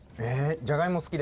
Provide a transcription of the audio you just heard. じゃがいも好きです。